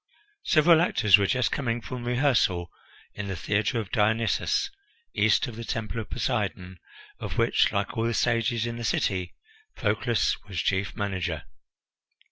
Several actors were just coming from rehearsal in the theatre of Dionysus, east of the Temple of Poseidon, of which, like all the stages in the city, Proclus was chief manager.